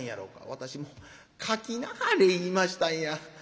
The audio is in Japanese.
私もう『書きなはれ』言いましたんや。